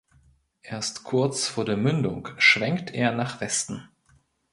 Erst kurz vor der Mündung schwenkt er nach Westen.